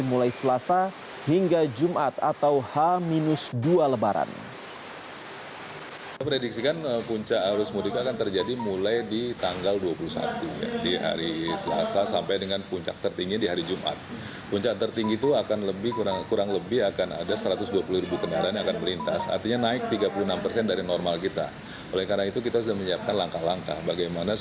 mulai selasa hingga jumat atau h dua lebaran